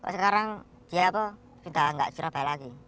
sekarang dia pun sudah nggak di surabaya lagi